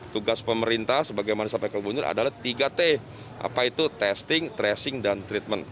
tugas pemerintah sebagaimana disampaikan gubernur adalah tiga t apa itu testing tracing dan treatment